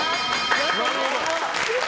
よろしくお願いします。